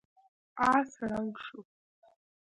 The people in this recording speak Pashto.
آس ړنګ شو.